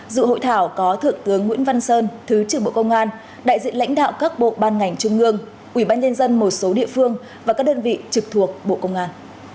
dự hội thảo có thượng tướng nguyễn văn sơn thứ trưởng bộ công an đại diện lãnh đạo các bộ ban ngành trung ương ủy ban nhân dân một số địa phương và các đơn vị trực thuộc bộ công an